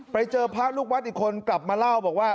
ไปเจอพระลูกวัดอีกคนกลับมาเล่าบอกว่า